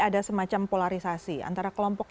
ada semacam polarisasi antara kelompok